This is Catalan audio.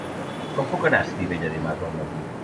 Com puc anar a Estivella dimarts al matí?